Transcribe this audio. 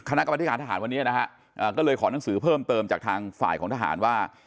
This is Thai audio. คณะกรรมธิการทหารวันนี้นะฮะก็เลยขอหนังสือเพิ่มเติมจากทางฝ่ายของทหารว่า